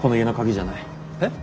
えっ？